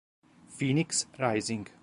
Phoenix Rising